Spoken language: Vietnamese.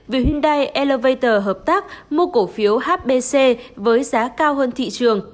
vì hyundai elevator hợp tác mua cổ phiếu hbc với giá cao hơn thị trường